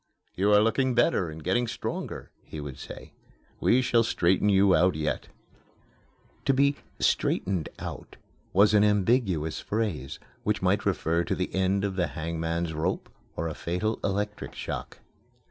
"You are looking better and getting stronger," he would say. "We shall straighten you out yet." To be "straightened out" was an ambiguous phrase which might refer to the end of the hangman's rope or to a fatal electric shock.